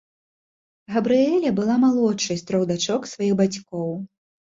Габрыэля была малодшай з трох дачок сваіх бацькоў.